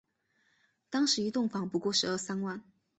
当时一栋房不过十二三万